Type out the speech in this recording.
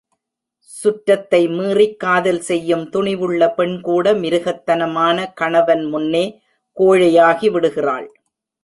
சுற்றத்தை மீறிக் காதல் செய்யும் துணிவுள்ள பெண்கூட மிருகத்தனமான கணவன் முன்னே கோழையாகி விடுகிறாள்.